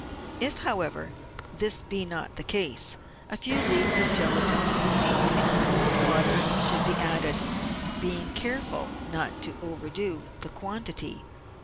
If, however, this be not the case, a few leaves of gelatine steeped in cold water should be added, being careful not to overdo the quantity.